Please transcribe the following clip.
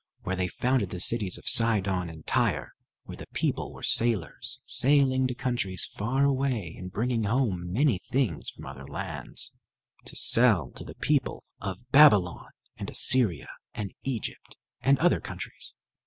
There they founded the cities of Sidon and Tyre, where the people were sailors, sailing to countries far away, and bringing home many things from other lands to sell to the people of Babylon, and Assyria, and Egypt, and other countries.